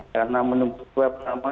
karena menunggu swab